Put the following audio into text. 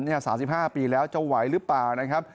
เนี่ยสามสิบห้าปีแล้วเจ้าไหวรึเปล่านะครับ